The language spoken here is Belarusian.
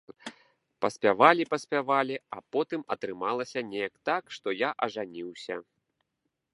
Паспявалі-паспявалі, а потым атрымалася неяк так, што я ажаніўся.